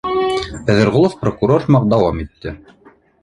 Бәҙеғолов прокурор һымаҡ дауам итте: